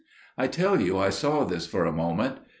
"I tell you I saw this for a moment.